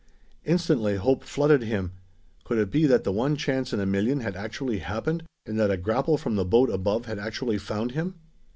Instantly hope flooded him. Could it be that the one chance in a million had actually happened, and that a grapple from the boat above had actually found him?